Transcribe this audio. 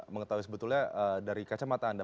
mengetahui sebetulnya dari kacamata anda